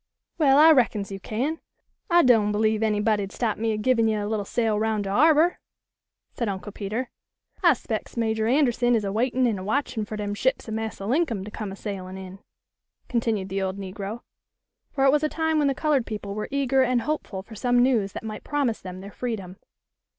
Well, I reckons you can. I doan' believe any body'd stop me a givin' yo' a little sail 'roun' de harbor," said Uncle Peter. "I 'spec's Major Anderson is a waitin' an' a watchin' fer dem ships of Massa Linkum to come a sailin' in," continued the old negro; for it was a time when the colored people were eager and hopeful for some news that might promise them their freedom.